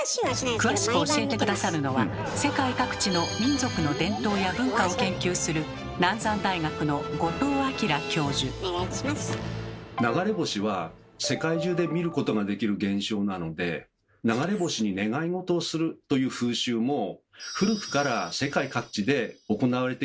詳しく教えて下さるのは世界各地の民族の伝統や文化を研究する流れ星は世界中で見ることができる現象なので「流れ星に願いごとをする」という風習も古くから世界各地で行われてきたと考えられます。